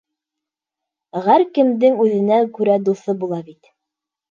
Ғәр кемдең үҙенә күрә дуҫы була бит.